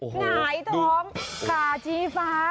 หงายท้องขาชี้ฟ้า